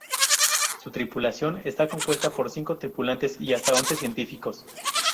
Su tripulación está compuesta por cinco tripulantes y hasta once científicos.